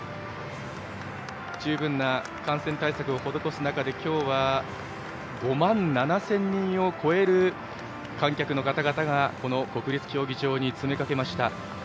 十分な感染対策を施す中で今日は、５万７０００人を超える観客の方々がこの国立競技場に詰めかけました。